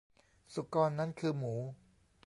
สุกรนั้นคือหมู